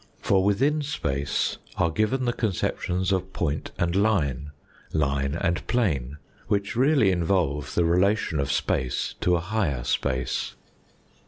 For within space are given the conceptions of point and line, line and plane, which really involve the relation of space to a higher space.